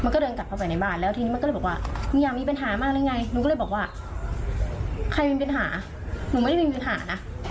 ใครมีปัญหาหนูไม่ได้มีปัญหานะ